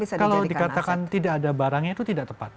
kalau dikatakan tidak ada barangnya itu tidak tepat